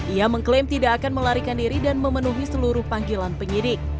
ia mengklaim tidak akan melarikan diri dan memenuhi seluruh panggilan penyidik